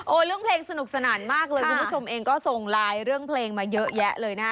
เรื่องเพลงสนุกสนานมากเลยคุณผู้ชมเองก็ส่งไลน์เรื่องเพลงมาเยอะแยะเลยนะฮะ